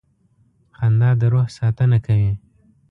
• خندا د روح ساتنه کوي.